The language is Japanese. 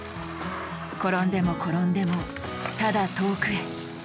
転んでも転んでもただ遠くへ。